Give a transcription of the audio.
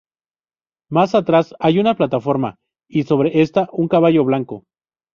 Más atrás hay una plataforma y, sobre esta, un caballo blanco.